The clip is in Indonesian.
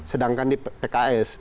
sedangkan di pks